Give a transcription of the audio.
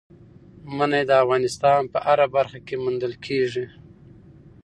منی د افغانستان په هره برخه کې موندل کېږي.